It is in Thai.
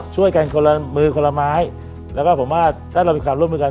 ช่วยกันคนละมือคนละไม้แล้วก็ผมว่าถ้าเรามีการร่วมมือกัน